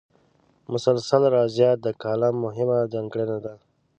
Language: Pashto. مسلسل ریاضت د کالم مهمه ځانګړنه ده.